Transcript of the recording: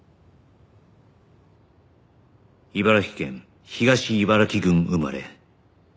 茨城県東茨城郡生まれ